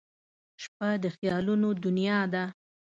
• شپه د خیالونو دنیا ده.